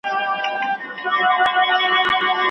لا په هیله د دیدن یم له رویبار سره مي ژوند دی